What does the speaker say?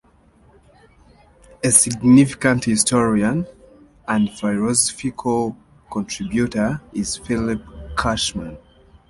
A significant historian and philosophical contributor is Philip Cushman.